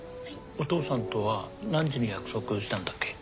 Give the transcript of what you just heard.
お父さんとは何時に約束したんだっけ？